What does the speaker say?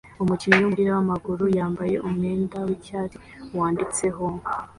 Umukinnyi wumupira wamaguru yambaye umwenda wicyatsi wanditseho ""